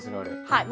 はい。